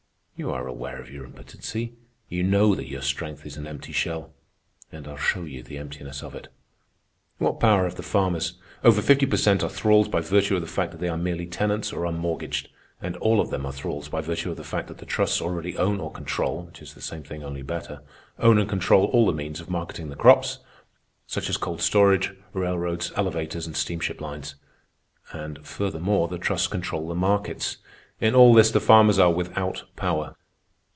You are aware of your impotency. You know that your strength is an empty shell. And I'll show you the emptiness of it. "What power have the farmers? Over fifty per cent are thralls by virtue of the fact that they are merely tenants or are mortgaged. And all of them are thralls by virtue of the fact that the trusts already own or control (which is the same thing only better)—own and control all the means of marketing the crops, such as cold storage, railroads, elevators, and steamship lines. And, furthermore, the trusts control the markets. In all this the farmers are without power.